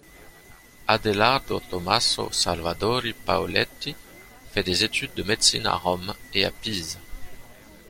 Adelardo Tommaso Salvadori Paleotti fait des études de médecine à Rome et à Pise.